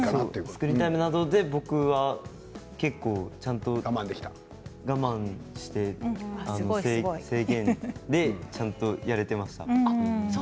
スクリーンタイムなどで僕はちゃんと我慢して制限ちゃんとやれていました。